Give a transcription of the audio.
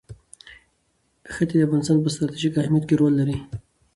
ښتې د افغانستان په ستراتیژیک اهمیت کې رول لري.